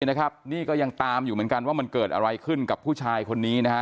นี่นะครับนี่ก็ยังตามอยู่เหมือนกันว่ามันเกิดอะไรขึ้นกับผู้ชายคนนี้นะฮะ